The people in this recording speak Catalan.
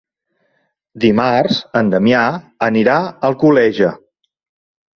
Dimarts en Damià anirà a Alcoleja.